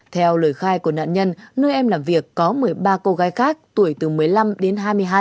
theo lời khai của nạn nhân nơi em làm việc có một mươi ba cô gái khác tuổi từ một mươi năm đến hai mươi hai